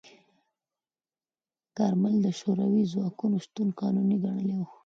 کارمل د شوروي ځواکونو شتون قانوني ګڼلی و.